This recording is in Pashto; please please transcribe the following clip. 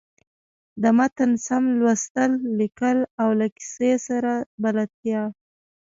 د متن سم لوستل، ليکل او له کیسۍ سره بلدتیا.